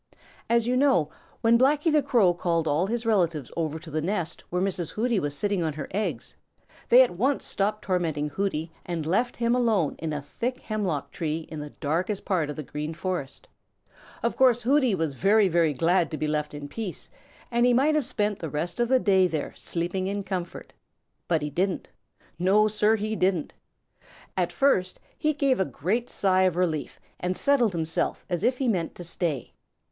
As you know, when Blacky the Crow called all his relatives over to the nest where Mrs. Hooty was sitting on her eggs, they at once stopped tormenting Hooty and left him alone in a thick hemlock tree in the darkest part of the Green Forest. Of course Hooty was very, very glad to be left in peace, and he might have spent the rest of the day there sleeping in comfort. But he didn't. No, Sir, he didn't. At first he gave a great sigh of relief and settled himself as if he meant to stay.